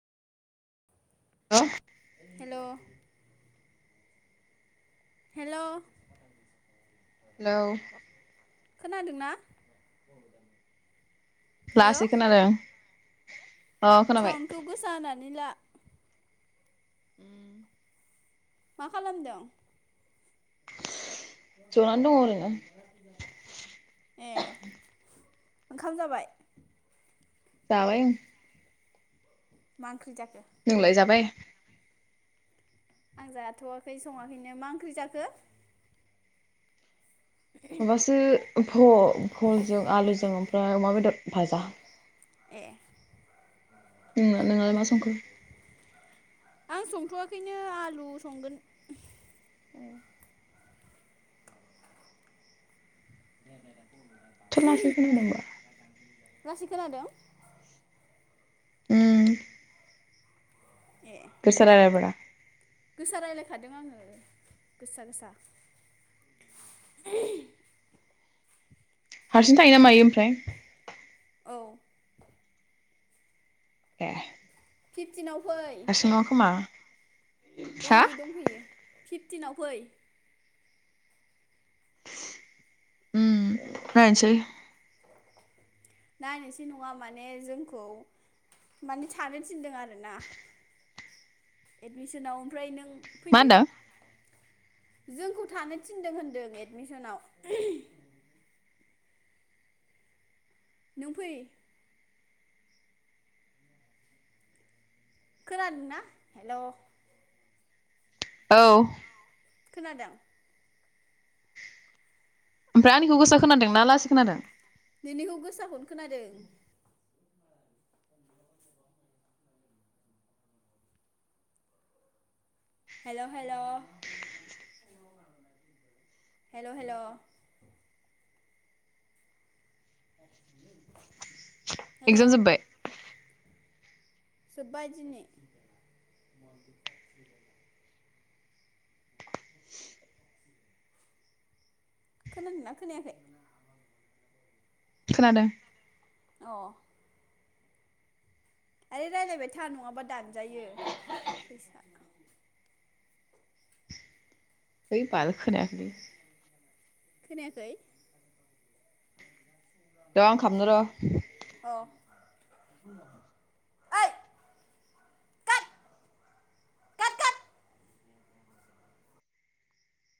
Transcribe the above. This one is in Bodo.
हो हेलौ हेलौ हेलौ खोनादोंना? हेल' लासै‌ खोनादों अ खोनाबाय साउन्डखौ गोसा होनानै ला उम मा खालामदों? जनानै दङ ओरैनो ए ओंखाम जाबाय? जाबाय ओं [inaudible] नोंलाय जाबाय? आं जाथ'वाखै सङाखैनो मा ओंख्रि जाखो? माबासो भ-भलजों आलुजों ओमफ्राय अमा बेदर भाजा ए नोंङो नोंलाय मा संखो? आं संथ'वाखैनो आलु संगोन औ [inaudible] एथ'लासै खोनादों लासै खोनादों उम ए गोसा रायलायब्रा गोसा रायलायखादों आङो गोसा गोसा हारसिं थायोना मायो ओमफ्राय औ ए फिफ्टिनाव फै हारसिं नङा खोमा हा ओइ दंफैयो फिफटिनाव फै उम नायनोसै नायनोसै नङा माने जोंखौ माने थानो थिनदों आरो [unintelligible] एडमिसनाव ओमफ्राय नों मा फैदो होनदों जोंखौ थानो थिनदों होनदों एडमिसनाव नों फै खोनादोंना हेल' औ खोनादों ओमफ्राय आंनिखौ गोसा खोनादों ना लासि खोनादों नोंनिखौ गोसाखौनो खोनादों हेल' हेल' हेल' हेल' [inaudible] हेल' एगजाम जोबबाय जोबबाय दिनै खोनादोंना खोनायाखै खोनादों औ आरे रायलायबाय था नङाबा दानजायो फैसा ओइ बाल खोनायाखैलै खोनायाखै र' आं खालामनो अ ओइ कात कात कात